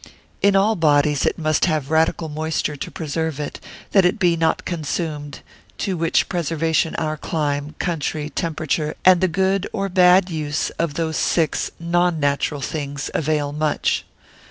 In all bodies it must have radical moisture to preserve it, that it be not consumed; to which preservation our clime, country, temperature, and the good or bad use of those six non natural things avail much.